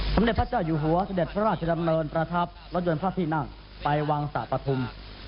เด็จพระเจ้าอยู่หัวเสด็จพระราชดำเนินประทับรถยนต์พระที่นั่งไปวังสะปฐุม